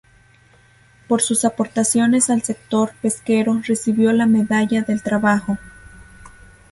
Por sus aportaciones al sector pesquero recibió la Medalla del Trabajo.